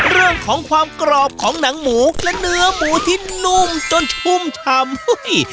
เรื่องของความกรอบของหนังหมูและเนื้อหมูที่นุ่มจนชุ่มชำ